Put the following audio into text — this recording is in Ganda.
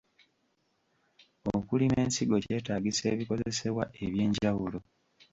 Okulima ensigo kyetaagisa ebikozesebwa eby’enjawulo.